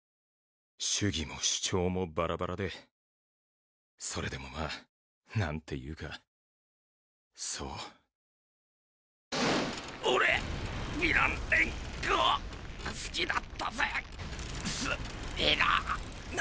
主義も主張もバラバラでそれでもまあなんてゆかそう現在俺ヴィラン連っ合好きだったぜスピナ。